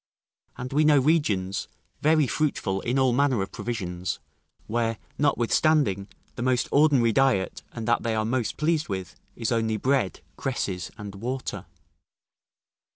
And we know regions, very fruitful in all manner of provisions, where, notwithstanding, the most ordinary diet, and that they are most pleased with, is only bread, cresses, and water.